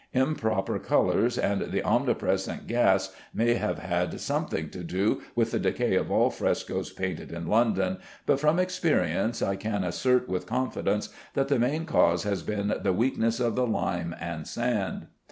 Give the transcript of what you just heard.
Improper colors and the omnipresent gas may have had something to do with the decay of all frescoes painted in London, but from experience I can assert with confidence that the main cause has been the weakness of the lime and sand.